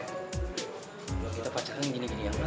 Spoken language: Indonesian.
kalau kita pacaran gini gini amat ya